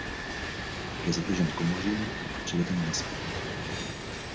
Je zadržen komořím a přiveden nazpět.